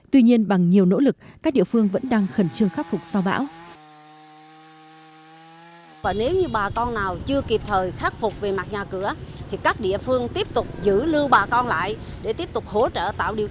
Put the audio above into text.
tuy nhiên bằng nhiều nỗ lực các địa phương vẫn đang khẩn trương khắc phục sau bão